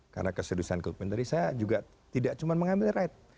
karena kesedusan kukmin tadi saya juga tidak cuma mengambil ride